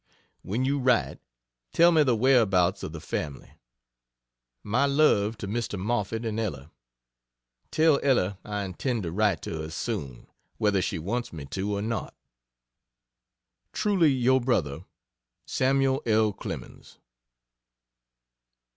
When you write tell me the whereabouts of the family. My love to Mr. Moffett and Ella. Tell Ella I intend to write to her soon, whether she wants me to nor not. Truly your Brother, SAML L. CLEMENS.